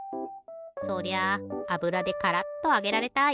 そりゃあぶらでカラッとあげられたい！